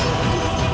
aku akan menang